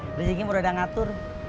kerja gini mudah udah ngatur